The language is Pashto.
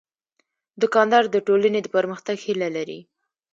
دوکاندار د ټولنې د پرمختګ هیله لري.